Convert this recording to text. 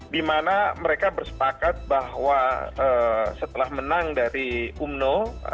di mana mereka bersepakat bahwa setelah menang dari umno